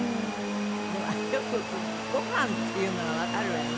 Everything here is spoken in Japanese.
でもあれよくご飯っていうのがわかるわよね。